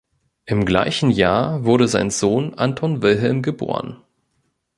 Im gleichen Jahr wurde sein Sohn Anton Wilhelm geboren.